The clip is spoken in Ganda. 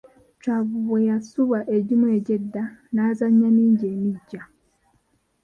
Chwa bwe yasubwa egimu egy'edda, n'azannya mingi emiggya.